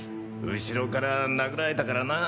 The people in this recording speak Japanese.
後ろから殴られたからなぁ。